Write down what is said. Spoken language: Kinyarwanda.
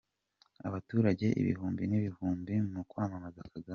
Abaturage ibihumbi n'ibihumbi mu kwamamaza Kagame.